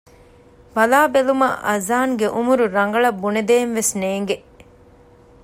ބަލާ ބެލުމަށް އަޒާން ގެ އުމުރު ރަނގަޅަށް ބުނެދޭން ވެސް ނޭނގޭނެ